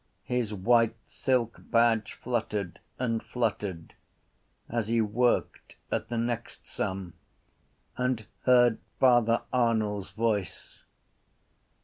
His white silk badge fluttered and fluttered as he worked at the next sum and heard Father Arnall’s voice.